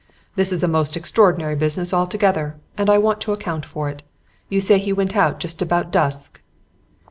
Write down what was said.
"This is a most extraordinary business altogether, and I want to account for it. You say he went out just about dusk."